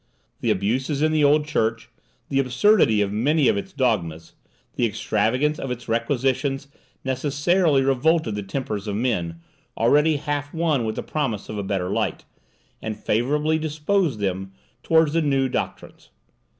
The abuses in the old church, the absurdity of many of its dogmas, the extravagance of its requisitions, necessarily revolted the tempers of men, already half won with the promise of a better light, and favourably disposed them towards the new doctrines.